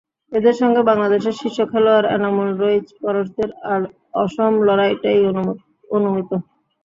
এঁদের সঙ্গে বাংলাদেশের শীর্ষ খেলোয়াড় এনামুল, রইচ, পরশদের অসম লড়াইটাই অনুমিত।